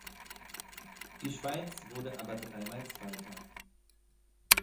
Die Schweiz wurde aber dreimal Zweiter.